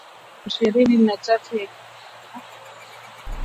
linaishutumu Rwanda kwa kuunga mkono waasi wa M ishirini na tatu wenye nia ya